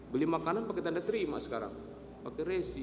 beli makanan pakai tanda terima sekarang pakai resi